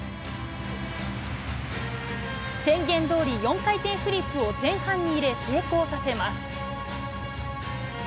宣言どおり４回転フリップを前半に入れ成功させます。